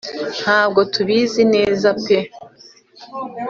ntabwo tubizi neza pe